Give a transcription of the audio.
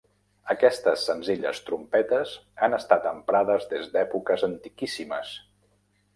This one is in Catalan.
Aquestes senzilles trompetes han estat emprades des d'èpoques antiquíssimes.